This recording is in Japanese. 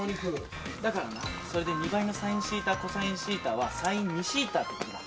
だからなそれで２倍のサインシータコサインシータはサイン２シータってことだ。